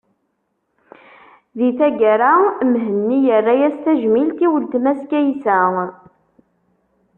Di taggara, Mhenni yerra-as tajmilt i weltma-s Kaysa.